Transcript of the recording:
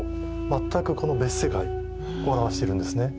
全くこの別世界を表しているんですね。